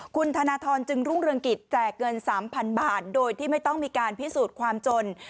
คุณธนทรจึงรุ่งเรืองกิจแจกเงิน๓๐๐๐บาทโดยที่ไม่ต้องมีการพิสูจน์ความจน